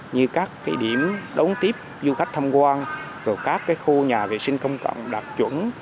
như các điểm đống tiếp du khách thăm quan các khu nhà vệ sinh công cộng đặc chuẩn